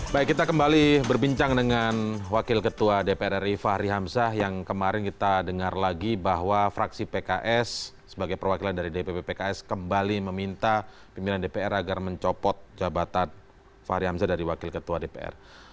baik kita kembali berbincang dengan wakil ketua dpr ri fahri hamzah yang kemarin kita dengar lagi bahwa fraksi pks sebagai perwakilan dari dpp pks kembali meminta pimpinan dpr agar mencopot jabatan fahri hamzah dari wakil ketua dpr